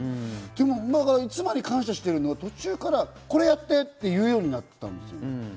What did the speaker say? でも妻に感謝してるのは途中からこれやってって言うようになったんですよ。